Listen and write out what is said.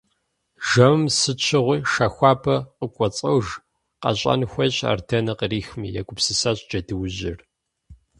Жэмым сыт щыгъуи шэ хуабэ къыкӏуэцӏож… Къэщӏэн хуейщ ар дэнэ кърихми - егупсысащ джэдуужьыр.